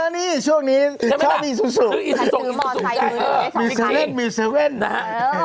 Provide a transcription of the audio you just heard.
นี่ช่วงนี้ชอบอีซูซูซื้ออีซูซูอีซูซูมี๗นะฮะ